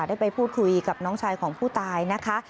ได้ไปพูดคุยกับน้องชายของผู้ตายนะคะ